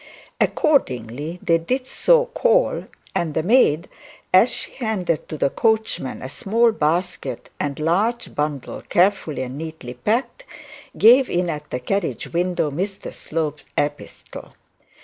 Accordingly they did so call, and the maid, as she handed to the coachman a small basket and large bundle carefully and neatly packec, gave in at the carriage window Mr Slope's epistle.